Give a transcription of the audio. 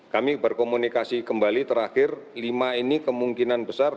kami berkomunikasi kembali terakhir lima ini kemungkinan besar